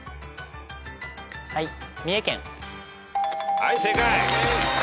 はい正解。